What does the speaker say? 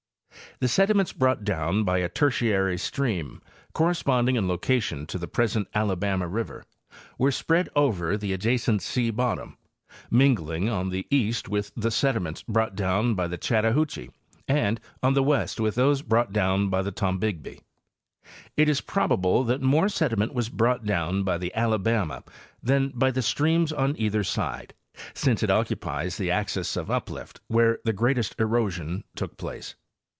The sediments brought down by a Tertiary stream, corresponding in location to the present Alabama river, were spread over the adjacent sea bottom, mingling on the east with the sediments brought down by the Chattahoochee and on the west with those brought down by the Tombigbee. It is probable that more sediment was brought down by the Alabama than by the streams on either side, since it occupies the axis of uplift where the greatest erosion took place.